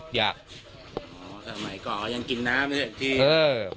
อ๋อสมัยก่อนอ่ะยังกินน้ำเนี่ยที่